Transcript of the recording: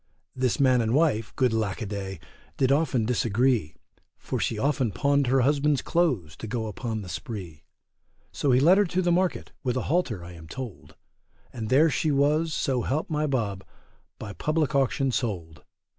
This man and wife, good lack a day, did often disagree; For she often pawned her husband's clothes to go upon the spree. So he led her to the market, with a halter, I am told, And there she was, so help my Bob, by public auction sold.